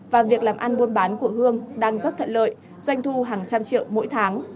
và việc làm ăn buôn bán của hương đang rất thận lợi doanh thu hàng trăm triệu mỗi tháng